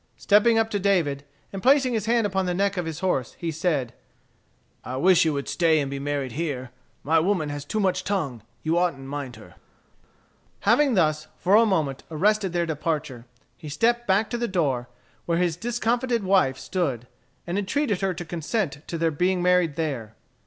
Stepping up to David, and placing his hand upon the neck of his horse, he said: "I wish you would stay and be married here. My woman has too much tongue. You oughtn't mind her." Having thus, for a moment, arrested their departure, he stepped back to the door, where his discomfited wife stood, and entreated her to consent to their being married there.